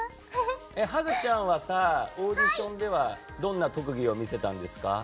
ハグちゃんはさオーディションではどんな特技を見せたんですか？